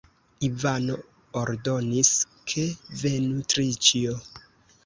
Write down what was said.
Ivano ordonis, ke venu Triĉjo.